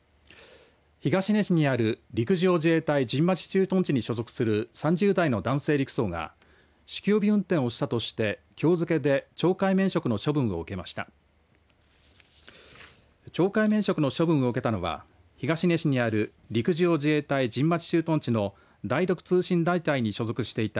東根市にある陸上自衛隊神町駐屯地に所属する３０代の男性陸曹が酒気帯び運転をしたとしてきょう付けで懲戒免職の処分を受けました。